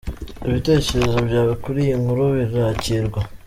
Ibitekerezo byawe kuri iyi nkuru birakirwa.